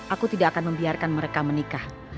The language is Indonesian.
aku tidak akan membiarkan mereka menikah